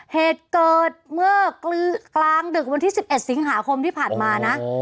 เหตุเกิดเมื่อกลางดึกวันที่๑๑สิงหาคมที่ผ่านมานะ